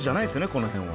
この辺は。